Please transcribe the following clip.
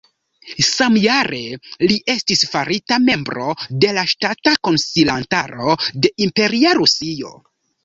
Samjare, li estis farita membro de la Ŝtata Konsilantaro de Imperia Rusio.